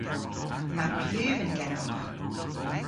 Yma pluven genowgh.